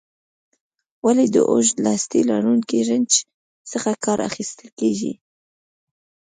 ولې د اوږد لاستي لرونکي رنچ څخه کار اخیستل کیږي؟